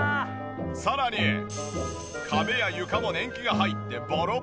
さらに壁や床も年季が入ってボロボロ状態。